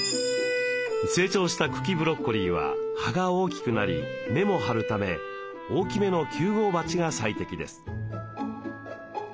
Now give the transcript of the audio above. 成長した茎ブロッコリーは葉が大きくなり根も張るため大きめの９号鉢が最適です。